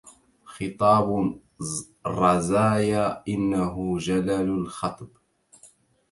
خطاب الرزايا إنه جلل الخطب